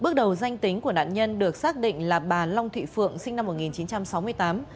thanh tính của nạn nhân được xác định là bà long thị phượng sinh năm một nghìn chín trăm sáu mươi tám